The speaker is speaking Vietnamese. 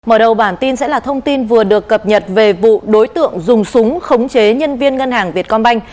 mở đầu bản tin sẽ là thông tin vừa được cập nhật về vụ đối tượng dùng súng khống chế nhân viên ngân hàng việt công banh